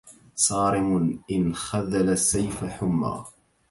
صارم ان خذل السيف حمى